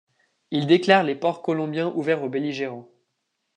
Il déclare les ports colombiens ouverts aux belligérants.